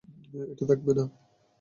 এটা থাকবে না।